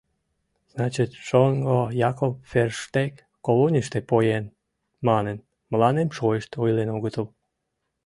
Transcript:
— Значит, шоҥго Якоб Ферштег колонийыште поен манын, мыланем шойышт ойлен огытыл!